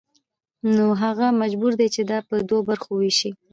نو هغه مجبور دی چې دا په دوو برخو ووېشي